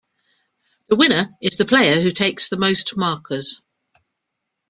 The winner is the player who takes the most markers.